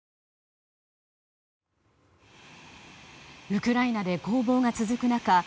ウクライナで攻防が続く中